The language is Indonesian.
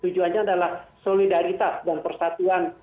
tujuannya adalah solidaritas dan persatuan